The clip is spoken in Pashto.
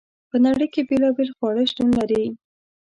په نړۍ کې بیلابیل خواړه شتون لري.